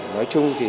nói chung thì